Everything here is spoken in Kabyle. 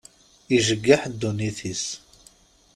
Ijeggeḥ ddunit-is.